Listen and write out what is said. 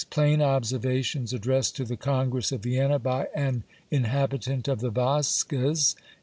"Plain Observations Addressed to the Congress of Vienna by an Inhabitant of the Vosges," 1814.